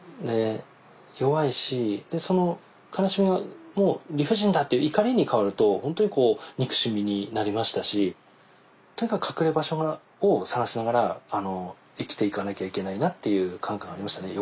弱いしでその悲しみはもう理不尽だっていう怒りに変わると本当にこう憎しみになりましたしとにかく隠れ場所を探しながら生きていかなきゃいけないなっていう感覚がありましたね。